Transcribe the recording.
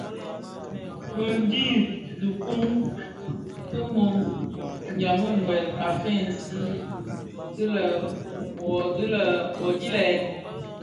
MË ndhi kibuň ki mum ndhami wuèl a feegsi ti lè: wuodhi dii le yèn.